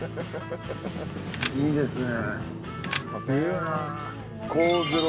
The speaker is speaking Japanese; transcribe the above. いいですね。